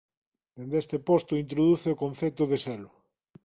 Desde este posto introduce o concepto de selo.